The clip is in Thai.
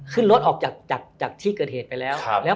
ขึ้นรถออกจากที่เกิดเหตุไปแล้ว